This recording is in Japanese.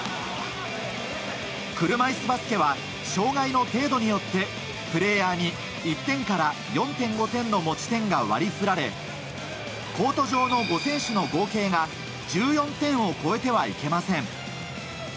車いすバスケは障害の程度によってプレーヤーに１点から４．５点の持ち点が割り振られコート上の５選手の合計が１４点を超えてはいけません。